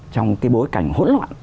trong cái bối cảnh hỗn loạn